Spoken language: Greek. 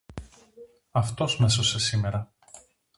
Αυτός μ' έσωσε σήμερα